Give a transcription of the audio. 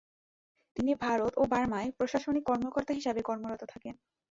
তিনি ভারত ও বার্মায় প্রশাসনিক কর্মকর্তা হিসেবে কর্মরত থাকেন।